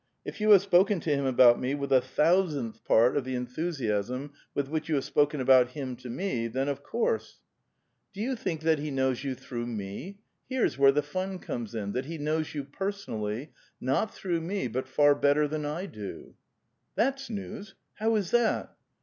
If you have spoken to him about me with a thousandth part of the 444 A VITAL QUESTION. enthusiasm with which you have spoken about him to me then, of couree —"*' Do YOU think that he knows you through me? Here's where the fun comes in, that he knows you personally, not through me, but far lietter than I do." " That's news ! How is that?